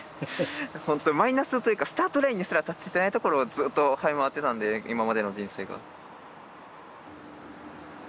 ほんとマイナスというかスタートラインにすら立ててないところをずっとはい回ってたので今までの人生が。